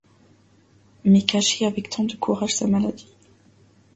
Mais cachait avec tant de courage sa maladie.